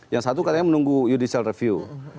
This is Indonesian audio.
yang satu katanya menunggu judicial review